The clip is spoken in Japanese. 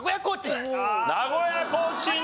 名古屋コーチン